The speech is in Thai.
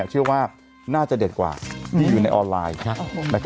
เชื่อว่าน่าจะเด็ดกว่าที่อยู่ในออนไลน์